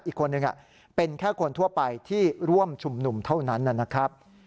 อีกคนนึงเป็นแค่คนทั่วไปที่ร่วมชุมนุมเท่านั้นนะครับ